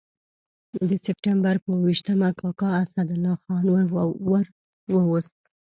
د سپټمبر پر اووه ویشتمه کاکا اسدالله خان ور ووست.